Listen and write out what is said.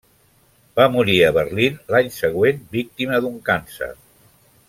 Va morir a Berlín l'any següent víctima d'un càncer.